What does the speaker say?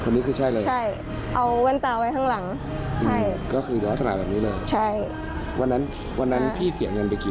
ว่าเขาเป็นลูกค้าคนหนึ่งนะพี่